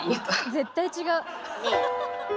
絶対違う。